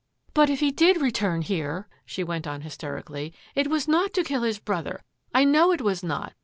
" But if he did return here," she went on hys terically, " it was not to kill his brother. I know it was not.